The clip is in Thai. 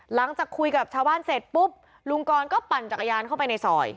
หลังจากคุยกับชาวบ้านเสร็จปุ๊บลุงกรก็ปั่นจักรยานเข้าไปในซอย